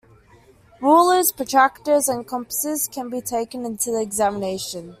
Rulers, protractors and compasses can be taken into the examination.